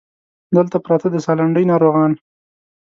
دلته پراته د سالنډۍ ناروغان